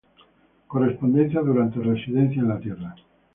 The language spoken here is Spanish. Correspondencia durante "Residencia en la tierra".